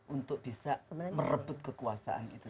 untuk bisa merebut kekuasaan itu